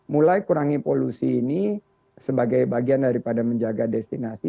mulai kurangi polusi ini sebagai bagian daripada menjaga destinasi